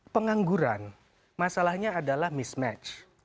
pengangguran masalahnya adalah mismatch